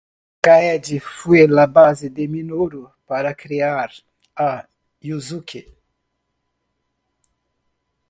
Kaede fue la base de Minoru para crear a Yuzuki.